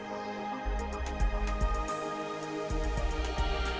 aa ha ternyata tidak miskin athe kura